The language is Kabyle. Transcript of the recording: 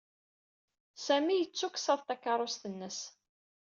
Sami yettuksaḍ takeṛṛust-nnes.